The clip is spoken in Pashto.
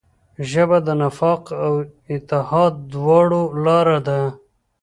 ژبه د نفاق او اتحاد دواړو لاره ده